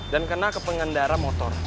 dan kena ke pengendara motor